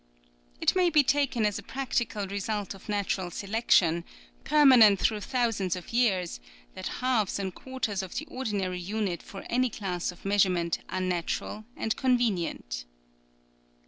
It may be taken as a practical result of nat ural selection, permanent through thous ands of years, that halves and quarters of the ordinary unit for any class of measure ment are natural and convenient.